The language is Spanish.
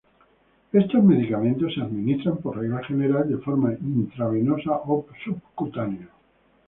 Estos medicamentos se administran por regla general de forma intravenosa o subcutánea.